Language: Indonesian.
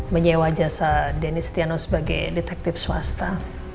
menyewa jasa dennis tiano sebagai detektif swasta